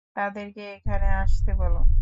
তাদেরকে এখানে আসতে বল।